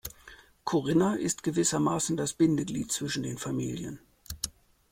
Corinna ist gewissermaßen das Bindeglied zwischen den Familien.